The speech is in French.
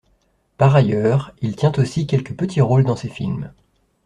Par ailleurs, il tient aussi quelques petits rôles dans ces films.